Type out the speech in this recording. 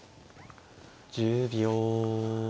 １０秒。